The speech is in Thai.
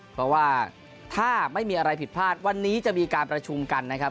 เพราะว่าถ้าไม่มีอะไรผิดพลาดวันนี้จะมีการประชุมกันนะครับ